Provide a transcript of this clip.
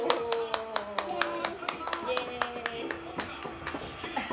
イエイ。